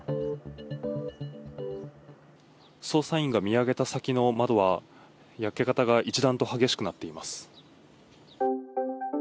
捜査員が見上げた先の窓は、焼け方が一段と激しくなっています。